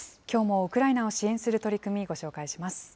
きょうもウクライナを支援する取り組み、ご紹介します。